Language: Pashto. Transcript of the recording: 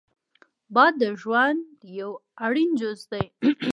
باد د ژوند یو اړین جز دی